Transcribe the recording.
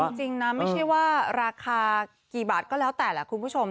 จริงนะไม่ใช่ว่าราคากี่บาทก็แล้วแต่แหละคุณผู้ชม